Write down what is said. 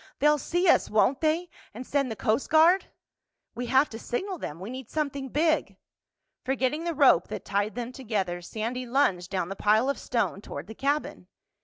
"They'll see us, won't they? And send the Coast Guard?" "We have to signal them—we need something big." Forgetting the rope that tied them together, Sandy lunged down the pile of stone toward the cabin.